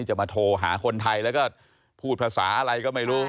จะมาโทรหาคนไทยแล้วก็พูดภาษาอะไรก็ไม่รู้